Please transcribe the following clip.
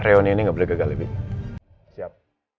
reuni ini nggak boleh gagal lebih siap